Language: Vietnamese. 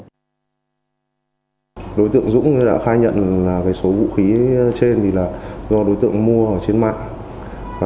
đối tượng dũng đã khai nhận số vũ khí trên là do đối tượng mua ở trên mạng